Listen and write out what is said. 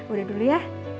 udah dulu ya